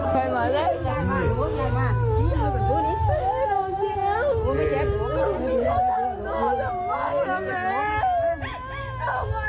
ขอร้องคภาพฮะเม